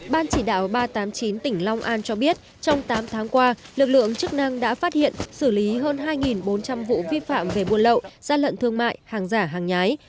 ban chỉ đạo ba trăm tám mươi chín tỉnh long an cho biết trong tám tháng qua lực lượng chức năng đã phát hiện xử lý hơn hai bốn trăm linh vụ vi phạm về buôn lậu gian lận thương mại hàng giả hàng nhái